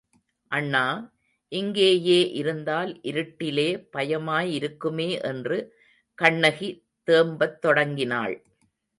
அண்ணா, இங்கேயே இருந்தால் இருட்டிலே பயமாய் இருக்குமே என்று கண்ணகி தேம்பத் தொடங்கினாள்.